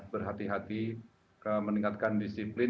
berhati hati meningkatkan disiplin